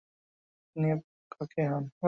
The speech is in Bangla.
ইনি আপনার কাকি হন।